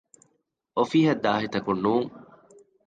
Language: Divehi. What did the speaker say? އޮފީހަށް ދާހިތަކުން ނޫން